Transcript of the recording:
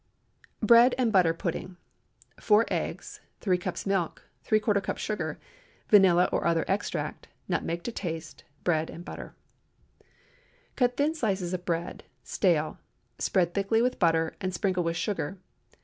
BREAD AND BUTTER PUDDING. 4 eggs. 3 cups milk. ¾ cup sugar. Vanilla or other extract. Nutmeg to taste. Bread and butter. Cut thin slices of bread (stale), spread thickly with butter, and sprinkle with sugar.